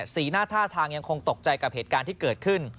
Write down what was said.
สีหน้าท่าทางยังคงตกใจกับเหตุการณ์ที่เกิดขึ้น